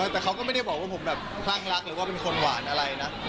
แต่เขาก็ไม่ได้บอกว่าผมแบบคลั่งรักหรือว่าเป็นคนหวานอะไรนะ